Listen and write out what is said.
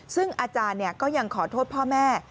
ซึ่งอาจารย์ก็ยังขอโทษพ่อแม่